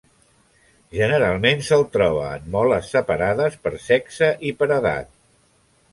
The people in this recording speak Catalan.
Generalment se'l troba en moles separades per sexe i per edat.